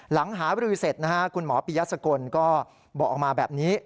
หลังหาวิรุณีเสร็จนะครับคุณหมอปียะสกลก็บอกออกมาแบบนี้